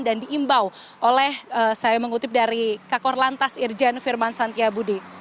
dan diimbau oleh saya mengutip dari kak korlantas irjen firman santiabudi